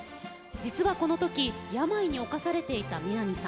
実はこの時病に侵されていた三波さん。